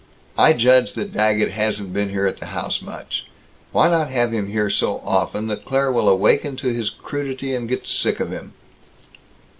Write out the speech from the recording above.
I judge that Daggett hasn't been here at the house much. Why not have him here so often that Claire will awaken to his crudity, and get sick of him?"